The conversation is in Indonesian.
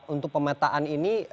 untuk pemetaan ini